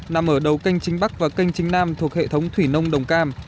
nằm ở đầu canh chính bắc và kênh chính nam thuộc hệ thống thủy nông đồng cam